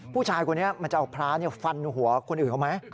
ผู้ชายคนนี้มันจะเอาพระฟันหัวคนอื่นเขาไหม